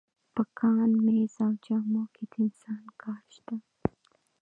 په کان، مېز او جامو کې د انسان کار شته